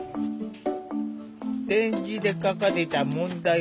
点字で書かれた問題を読み